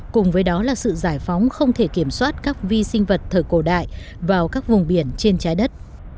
cùng với đó là sự giải phóng không thể kiểm soát các vi sinh vật thời cổ đại vào các vùng biển trên trái đất